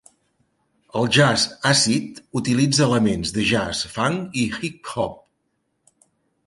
El jazz àcid utilitza elements de jazz, funk i hip-hop.